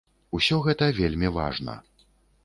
Усё гэта вельмі важна.